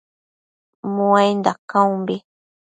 Muainda caumbi